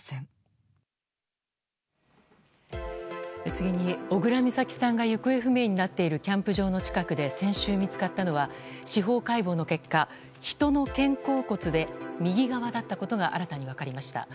次に、小倉美咲さんが行方不明になっているキャンプ場の近くで先週見つかったのは司法解剖の結果人の肩甲骨で右側だったことが新たに分かりました。